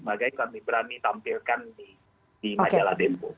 makanya kami berani tampilkan di majalah dempo